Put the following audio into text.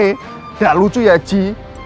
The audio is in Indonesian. tidak lucu ya ci